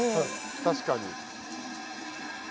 確かに。